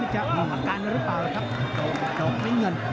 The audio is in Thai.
นี่จะหัวข้างกันหรือเปล่าครับดอกไม้เงิน